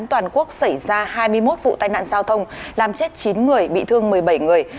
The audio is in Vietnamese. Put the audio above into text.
toàn quốc xảy ra hai mươi một vụ tai nạn giao thông làm chết chín người bị thương một mươi bảy người